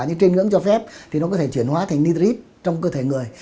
nhưng trên ngưỡng cho phép thì nó có thể chuyển hóa thành nigrip trong cơ thể người